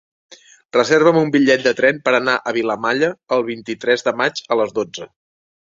Reserva'm un bitllet de tren per anar a Vilamalla el vint-i-tres de maig a les dotze.